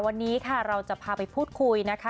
วันนี้ค่ะเราจะพาไปพูดคุยนะคะ